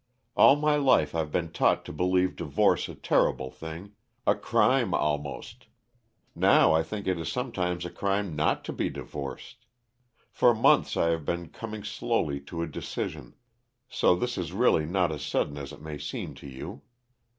All my life I've been taught to believe divorce a terrible thing a crime, almost; now I think it is sometimes a crime not to be divorced. For months I have been coming slowly to a decision, so this is really not as sudden as it may seem to you.